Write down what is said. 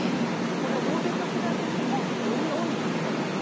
これ、欧米と比べても非常に多い割合なんです。